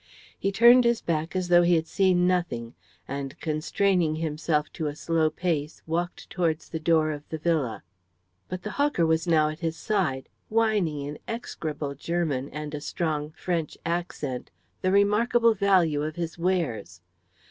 He turned his back as though he had seen nothing, and constraining himself to a slow pace walked towards the door of the villa. But the hawker was now at his side, whining in execrable German and a strong French accent the remarkable value of his wares.